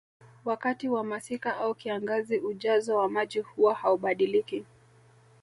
Wakati wa masika au kiangazi ujazo wa maji huwa haubadiliki